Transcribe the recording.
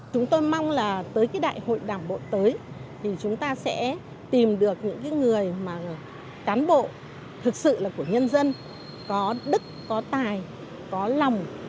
chúng tôi mong là tới cái đại hội đảng bộ tới thì chúng ta sẽ tìm được những người mà cán bộ thực sự là của nhân dân có đức có tài có lòng